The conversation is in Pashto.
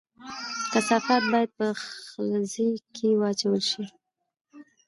کثافات باید په خځلۍ کې واچول شي